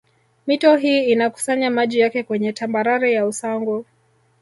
Mito hii inakusanya maji yake kwenye tambarare ya Usangu